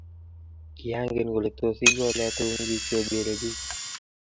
Kiangen kole tos igolo turungik che bele pik